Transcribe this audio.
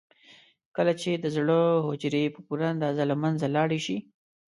کله چې د زړه حجرې په پوره اندازه له منځه لاړې شي.